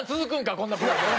こんなプレゼン。